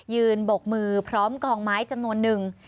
บกมือพร้อมกองไม้จำนวนนึง